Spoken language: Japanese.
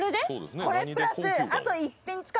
これプラス。